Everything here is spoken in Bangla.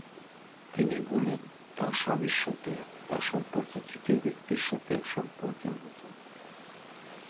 তিনি বলেন, তার স্বামীর সাথে তার সম্পর্ক তৃতীয় ব্যক্তির সাথে সম্পর্কের মতো।